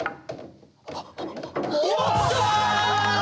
やった！